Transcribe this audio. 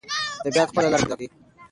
طبیعت خپله لاره پیدا کوي.